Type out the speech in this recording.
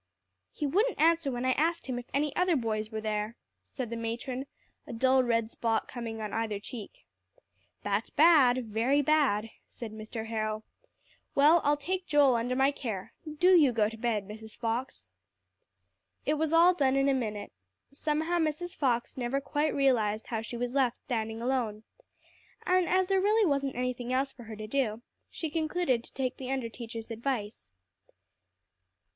"He wouldn't answer when I asked him if any other boys were there," said the matron, a dull red spot coming on either cheek. "That's bad very bad," said Mr. Harrow. "Well, I'll take Joel under my care. Do you go to bed, Mrs. Fox." It was all done in a minute. Somehow Mrs. Fox never quite realized how she was left standing alone. And as there really wasn't anything else for her to do, she concluded to take the under teacher's advice.